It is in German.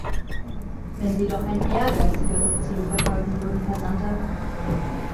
Wenn Sie doch ein ehrgeizigeres Ziel verfolgen würden, Herr Santer!